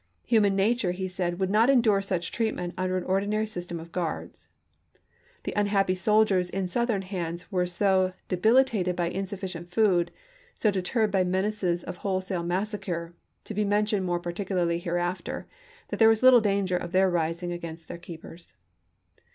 "Human nature," he said, " would not endure such treatment under an canby's ordinary system of guards." The unhappy soldiers p 337.' in Southern hands were so debilitated by insufficient food, so deterred by menaces of wholesale massacre, to be mentioned more particularly hereafter, that there was little danger of their rising against their keepers.